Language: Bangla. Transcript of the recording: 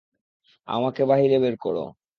আমাকে বাহিরে বেরকরো।